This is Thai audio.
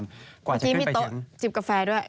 เมื่อกี้มีโต๊ะจิบกาแฟด้วย